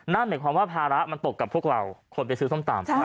น่าเหมือนว่าภาระมันตกกับพวกเราคนไปซื้อส้มตำ